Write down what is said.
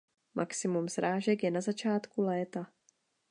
Maximum srážek je na začátku léta.